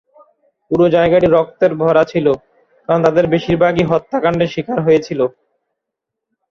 পুরো জায়গাটি রক্তের ভরা ছিল, কারণ তাদের বেশিরভাগই হত্যাকাণ্ডের শিকার হয়েছিল।